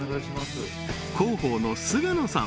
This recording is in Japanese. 広報の菅野さん